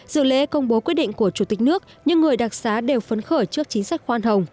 dự lễ công bố quyết định của chủ tịch nước những người đặc xá đều phấn khởi trước chính sách khoan hồng